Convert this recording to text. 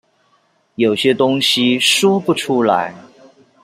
有些東西說不出來